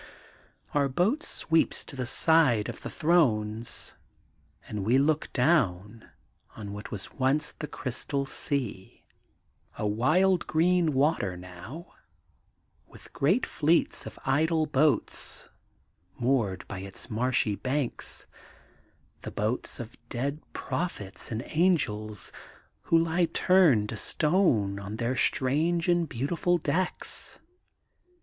Our boat sweeps to the side of the thrones, and we look down on what was once the THE GOLDEN BOOK OF SPRINGFIELD 826 crystal sea, a wild green water now, with great fleets of idle boats, moored by its tnarshy banks, the boats of dead prophets and angels who lie turned to stone on their strange and beautiful decks.